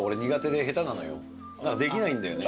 だからできないんだよね。